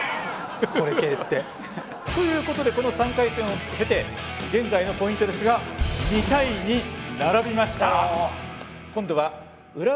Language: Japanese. これ系って。ということでこの３回戦を経て現在のポイントですが２対２並びました。